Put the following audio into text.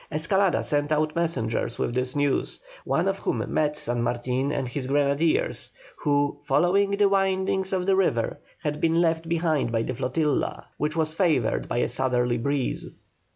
Escalada sent out messengers with this news, one of whom met San Martin and his grenadiers, who, following the windings of the river had been left behind by the flotilla, which was favoured by a southerly breeze.